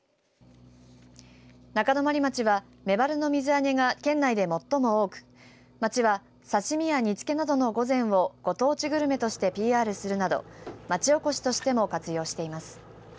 中泊町はメバルの水揚げが県内で最も多く、町は刺し身や煮つけなどのご膳をご当地グルメとしてＰＲするなど町おこしとしても活用しています。